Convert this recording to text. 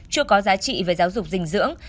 chưa có giá trị về giáo dục dinh dưỡng